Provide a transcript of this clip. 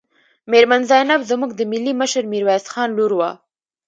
میرمن زینب زموږ د ملي مشر میرویس خان لور وه.